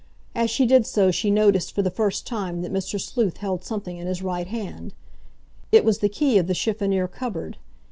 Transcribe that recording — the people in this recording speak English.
As she did so she noticed for the first time that Mr. Sleuth held something in his right hand. It was the key of the chiffonnier cupboard.